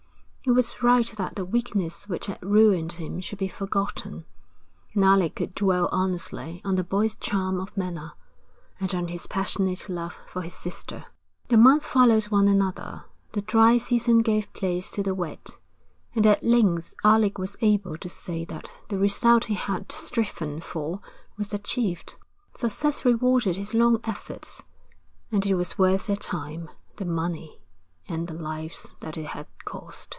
It was right that the weakness which had ruined him should be forgotten, and Alec could dwell honestly on the boy's charm of manner, and on his passionate love for his sister. The months followed one another, the dry season gave place to the wet, and at length Alec was able to say that the result he had striven for was achieved. Success rewarded his long efforts, and it was worth the time, the money, and the lives that it had cost.